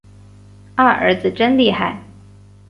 二儿子真厉害